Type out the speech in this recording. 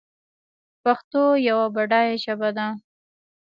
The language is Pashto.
پښتو یوه بډایه ژبه ده